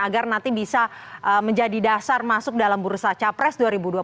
agar nanti bisa menjadi dasar masuk dalam bursa capres dua ribu dua puluh